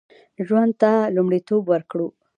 ژوند ته لومړیتوب ورکړو